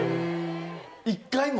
１回も？